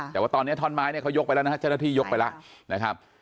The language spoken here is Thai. แต่ว่าตอนนี้ท่อนไม้เนี่ยเขายกไปแล้วนะฮะเจ้าหน้าที่ยกไปแล้วนะครับ